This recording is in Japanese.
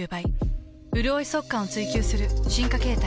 うるおい速乾を追求する進化形態。